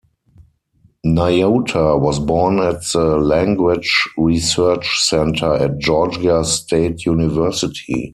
Nyota was born at the Language Research Center at Georgia State University.